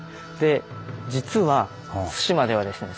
実は対馬ではですね